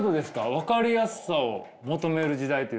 分かりやすさを求める時代というのは？